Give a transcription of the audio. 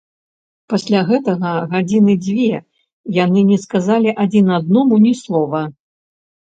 Пасля гэтага гадзіны дзве яны не сказалі адзін аднаму ні слова.